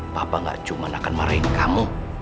papa gak cuma akan marahin kamu